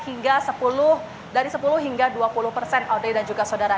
hingga sepuluh dari sepuluh hingga dua puluh audrey dan juga saudara